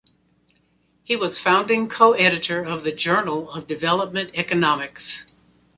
He was founding co-editor of the Journal of Development Economics.